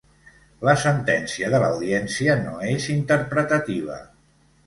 La sentència de l’audiència no és interpretativa